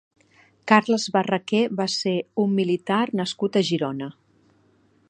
Carles Barraquer va ser un militar nascut a Girona.